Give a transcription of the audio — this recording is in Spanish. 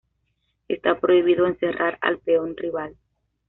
Está prohibido encerrar al peón rival.